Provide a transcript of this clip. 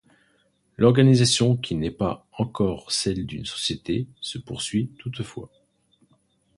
L'organisation qui n'est pas encore celle d'une société se poursuit toutefois.